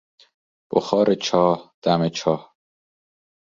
بخار چاه، دم چاه